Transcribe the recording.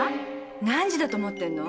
何時だと思ってんの？